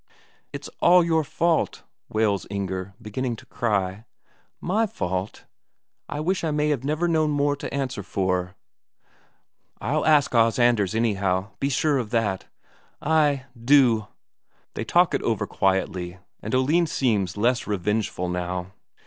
"It's all your fault," wails Inger, beginning to cry. "My fault? I wish I may never have more to answer for!" "I'll ask Os Anders, anyhow, be sure of that." "Ay, do." They talk it all over quietly, and Oline seems less revengeful now.